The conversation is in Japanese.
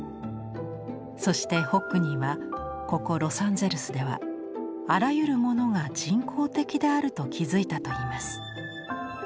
そしてホックニーはここロサンゼルスではあらゆるものが人工的であると気付いたといいます。